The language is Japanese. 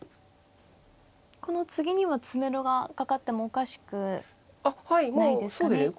この次には詰めろがかかってもおかしくないですかね。